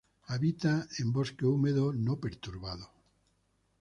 Habita en bosque húmedo no perturbado.